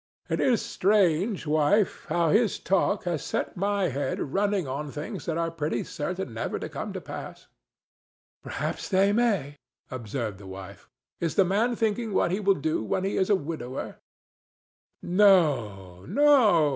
—It is strange, wife, how his talk has set my head running on things that are pretty certain never to come to pass." "Perhaps they may," observed the wife. "Is the man thinking what he will do when he is a widower?" "No, no!"